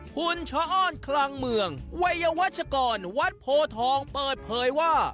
คุณชะอ้อนคลังเมืองวัยวัชกรวัดโพทองเปิดเผยว่า